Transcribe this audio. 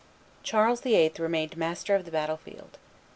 Charles VIII. remained master of the battle field.